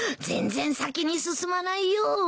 全然先に進まないよ。